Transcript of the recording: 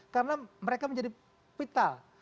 karena mereka menjadi vital